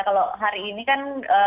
kalau hari ini kan